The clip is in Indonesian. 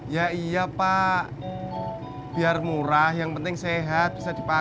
ya iya pak biar murah yang penting sehat bisa dipakai